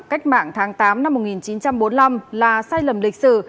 cách mạng tháng tám năm một nghìn chín trăm bốn mươi năm là sai lầm lịch sử